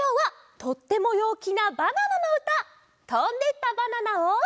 「とんでったバナナ」を。